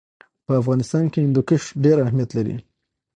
په افغانستان کې هندوکش ډېر اهمیت لري.